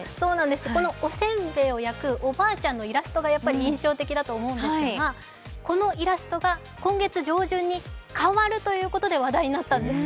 このおせんべいを焼くおばあちゃんのイラストが印象的だと思うんですが、このイラストが今月上旬に変わるということで話題になったんです。